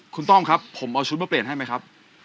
คุณต้อมครับผมเอาชุดมาเปลี่ยนให้ไหมครับ